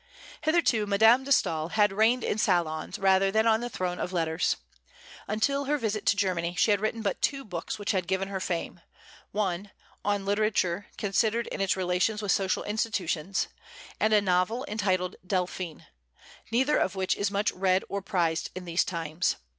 Hitherto, Madame de Staël had reigned in salons, rather than on the throne of letters. Until her visit to Germany, she had written but two books which had given her fame, one, "On Literature, considered in its Relations with Social Institutions," and a novel entitled "Delphine," neither of which is much read or prized in these times.